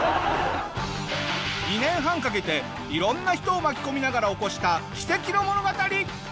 ２年半かけていろんな人を巻き込みながら起こした奇跡の物語。